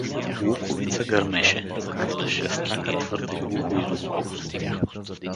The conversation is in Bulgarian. Луковица гърмеше, закрита от гъстака, твърде глухо и злокобно.